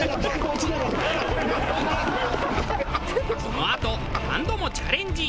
このあと何度もチャレンジ。